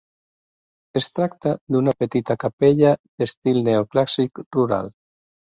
Es tracta d'una petita capella d'estil neoclàssic rural.